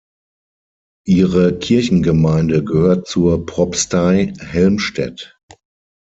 Ihre Kirchengemeinde gehört zur Propstei Helmstedt.